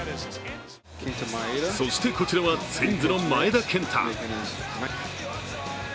そして、こちらはツインズの前田健太。